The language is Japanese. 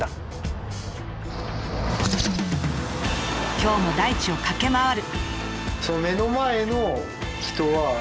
今日も大地を駆け回る。